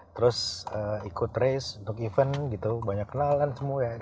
terus ikut race untuk event gitu banyak kenal kan semua ya